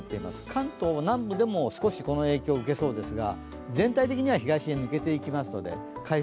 関東南部でも、少しこの影響を受けそうですが、全体的には東に抜けていきます。